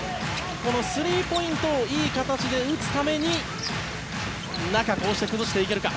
このスリーポイントをいい形で打つために中、こうして崩していけるか。